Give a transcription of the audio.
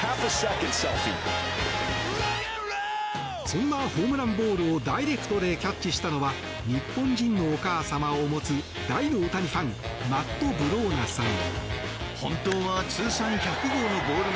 そんなホームランボールをダイレクトでキャッチしたのは日本人のお母さまを持つ大の大谷ファンマット・ブローナさん。